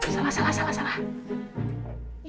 salah salah salah salah